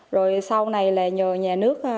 rồi sau này là nhờ nhà nước